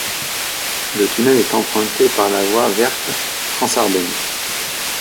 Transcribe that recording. Le tunnel est emprunté par la voie verte Trans-Ardennes.